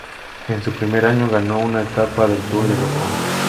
En su primer año ganó una etapa del Tour de Japón.